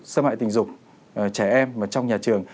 xâm hại tình dục trẻ em trong nhà trường